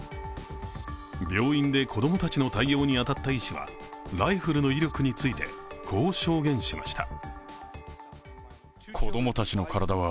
病院で子供たちの対応に当たった医師は、ライフルの威力についてこう証言しました。